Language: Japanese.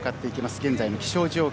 現在の気象状況